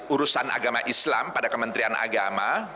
urusan agama islam pada kementerian agama